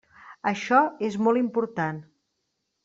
Això és molt important.